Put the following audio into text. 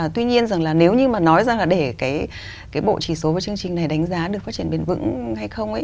tuy nhiên rằng là nếu như mà nói ra là để cái bộ chỉ số với chương trình này đánh giá được phát triển bền vững hay không ấy